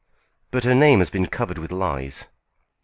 "But her name has been covered with lies."